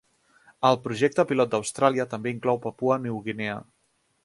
El projecte pilot d'Austràlia també inclou Papua New Guinea.